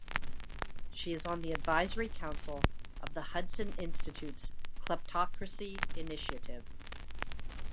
She is on the Advisory Council of the Hudson Institute's Kleptocracy Initiative.